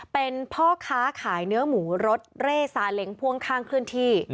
เป็นพ่อค้าขายเนื้อหมูรถเร่ซาเล้งพ่วงข้างเคลื่อนที่